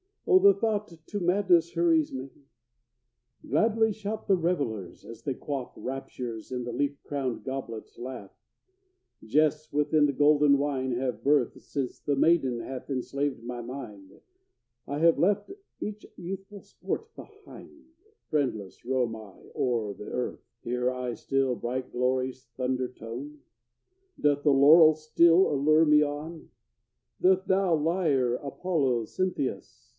Oh, the thought to madness hurries me! Gladly shout the revellers as they quaff, Raptures in the leaf crowned goblet laugh, Jests within the golden wine have birth, Since the maiden hath enslaved my mind, I have left each youthful sport behind, Friendless roam I o'er the earth. Hear I still bright glory's thunder tone? Doth the laurel still allure me on? Doth thy lyre, Apollo Cynthius?